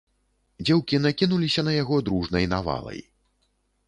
Дзеўкі накінуліся на яго дружнай навалай.